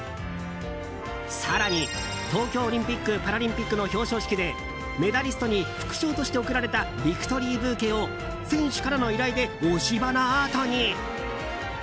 更に、東京オリンピック・パラリンピックの表彰式でメダリストに副賞として贈られたビクトリーブーケを選手からの依頼で押し花アートに。